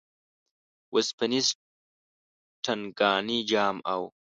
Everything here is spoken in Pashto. وسپنیز ټنګانی جام او